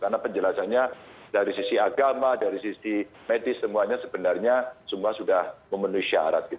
karena penjelasannya dari sisi agama dari sisi medis semuanya sebenarnya semua sudah memenuhi syarat gitu